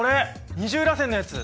二重らせんのやつ。